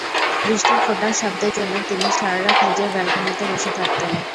বৃষ্টির ফোঁটার শব্দের জন্য তিনি সারা রাত নিজের ব্যালকনিতে বসে থাকতেন।